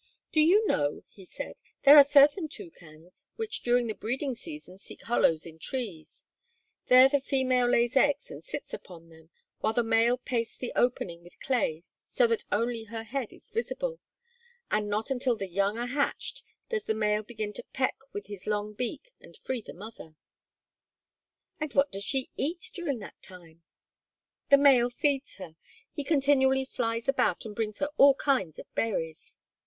"Do you know," he said, "there are certain toucans which during the breeding season seek hollows in trees; there the female lays eggs and sits upon them, while the male pastes the opening with clay so that only her head is visible, and not until the young are hatched does the male begin to peck with his long beak and free the mother." "And what does she eat during that time?" "The male feeds her. He continually flies about and brings her all kind of berries."